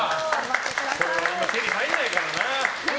これは今、手に入んないからな。